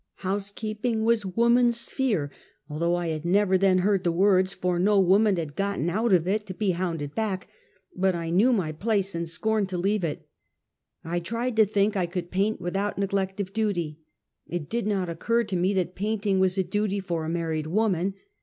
Housekeeping was "woman's sphere," although I had never then heard the words, for no woman had gotten out of it, to be hounded back; but I knew my place, and scorned to leave it. I tried to think I could paint without neg lect of duty. It did not occur to me that painting was a duty for a married woman